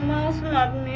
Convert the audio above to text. ayubu tidak tahu apa